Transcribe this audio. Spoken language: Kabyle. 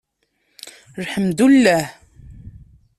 Lḥemdulleh.